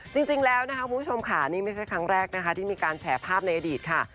จริงแล้วนะคะคุณผู้ชมค่ะนี่ไม่ใช่ครั้งแรกนะคะที่มีการแฉภาพในอดีตค่ะ